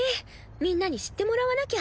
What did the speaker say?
みんなに知ってもらわなきゃ。